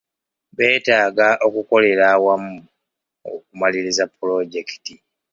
Betaaga okukolera awamu okumaliriza pulojekiti.